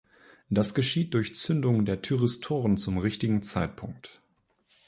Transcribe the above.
Das geschieht durch Zündung der Thyristoren zum richtigen Zeitpunkt.